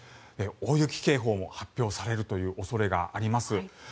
大雪警報も発表されるという恐れがあります。